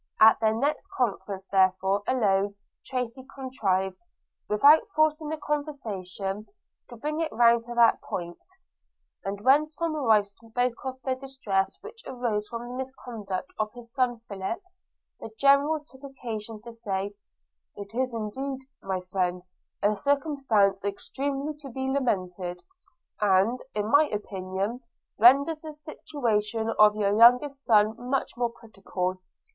At their next conference therefore alone, Tracy contrived, without forcing the conversation, to bring it round to that point; and when Somerive spoke of the distress which arose from the misconduct of his son Philip, the General took occasion to say, 'It is indeed, my friend, a circumstance extremely to be lamented – and, in my opinion, renders the situation of your youngest son much more critical.